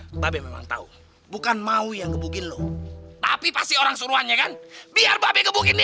mbak be memang tau bukan mawi yang gebukin lo tapi pasti orang suruhannya kan biar mbak be gebukin dia